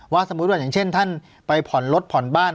สมมุติว่าอย่างเช่นท่านไปผ่อนรถผ่อนบ้าน